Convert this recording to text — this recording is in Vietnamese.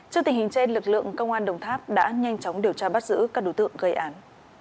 trước tình hình trên lực lượng công an đồng tháp đã nhanh chóng điều tra bắt giữ các đối tượng gây án